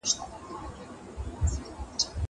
زه پرون مېوې راټولې کړې.